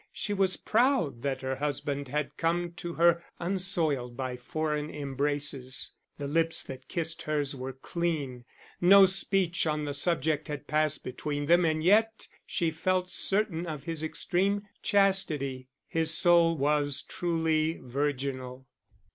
She was proud that her husband had come to her unsoiled by foreign embraces, the lips that kissed hers were clean; no speech on the subject had passed between them, and yet she felt certain of his extreme chastity. His soul was truly virginal.